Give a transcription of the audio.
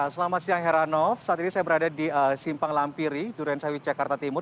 selamat siang heranov saat ini saya berada di simpang lampiri durensawi jakarta timur